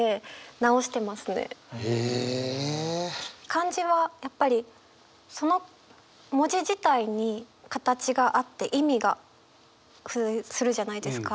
漢字はやっぱりその文字自体に形があって意味が付随するじゃないですか。